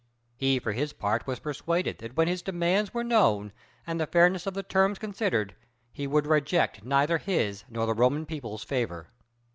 He for his part was persuaded that when his demands were known and the fairness of the terms considered, he would reject neither his nor the Roman people's favor.